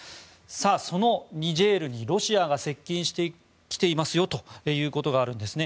そのニジェールにロシアが接近してきていますということがあるんですね。